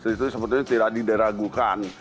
itu sebetulnya tidak dideragukan